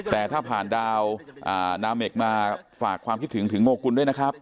แต่ถ้าผ่านดาวนาเมคมาฝากความคิดถึงถึงโมกุลด้วยนะครับ